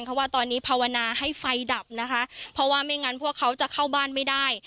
เพราะว่าตอนนี้ภาวนาให้ไฟดับนะคะเพราะว่าไม่งั้นพวกเขาจะเข้าบ้านไม่ได้